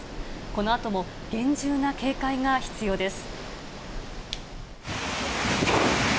このあとも厳重な警戒が必要です。